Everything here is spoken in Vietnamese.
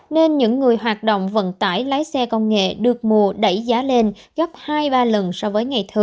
nên những người hoạt động vận tải lái xe công nghệ được mùa đẩy giá lên gấp hai ba lần so với ngày thường